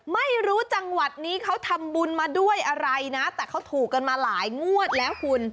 ไม่รู้จังหวัดนี้เขาทำบุญมาด้วยอะไรนะแต่เขาถูกกันมาหลายงวดแล้วคุณ